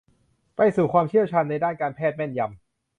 ไปสู่ความเชี่ยวชาญในด้านการแพทย์แม่นยำ